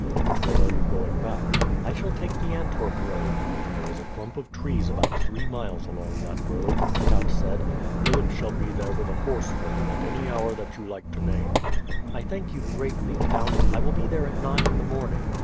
"Which way are you going back?" "I shall take the Antwerp road." "There is a clump of trees about three miles along that road," the count said. "Philip shall be there with a horse for you at any hour that you like to name." "I thank you greatly, count. I will be there at nine in the morning.